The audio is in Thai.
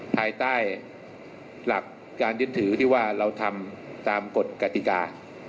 ภายใต้หลักการยึดถือที่ว่าเราทำตามกฎกติกา